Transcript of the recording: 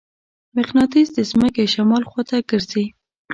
مقناطیس د ځمکې شمال خواته ګرځي.